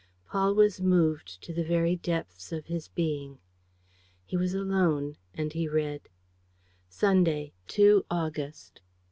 Paul was moved to the very depths of his being. He was alone and he read: "_Sunday, 2 August.